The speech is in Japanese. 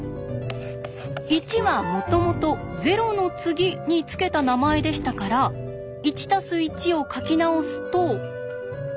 「１」はもともと「０の次」に付けた名前でしたから「１＋１」を書き直すと。